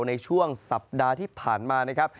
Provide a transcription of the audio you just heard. ในช่วงสัปดาห์ที่ผ่านมานะครับ